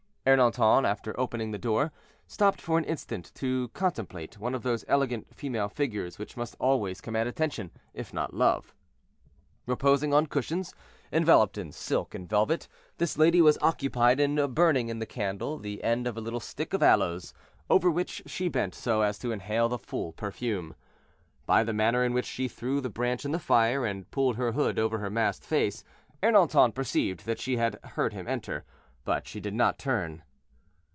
Ernanton, after opening the door, stopped for an instant to contemplate one of those elegant female figures which must always command attention, if not love. Reposing on cushions, enveloped in silk and velvet, this lady was occupied in burning in the candle the end of a little stick of aloes, over which she bent so as to inhale the full perfume. By the manner in which she threw the branch in the fire, and pulled her hood over her masked face, Ernanton perceived that she had heard him enter, but she did not turn.